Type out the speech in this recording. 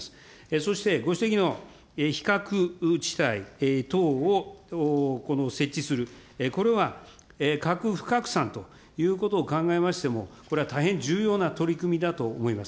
そして、ご指摘の非核地帯等を設置する、これは、核不拡散ということを考えましても、これは大変重要な取り組みだと思います。